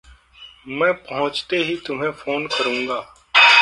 मैं पहुँचते ही तुम्हें फ़ोन करूँगा।